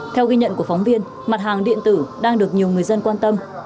theo ghi nhận của phóng viên mặt hàng điện tử đang được nhiều người dân quan tâm